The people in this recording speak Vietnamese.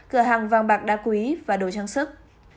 cửa hàng vàng bạc đá quý và đồ trang sức